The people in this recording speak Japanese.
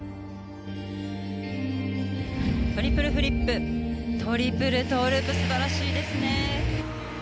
トリプルフリップ、トリプルトーループ、素晴らしいですね！